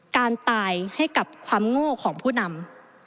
การตายให้กับความโง่ของผู้นำ